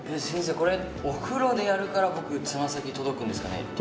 先生これお風呂でやるから僕つま先届くんですかね？